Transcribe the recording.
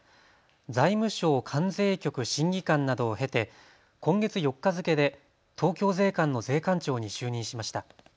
財務省関税局審議官などを経て今月４日付けで東京税関の税関長に就任しました。